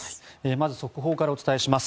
まず速報からお伝えします。